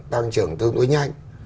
tăng trưởng tương đối nhanh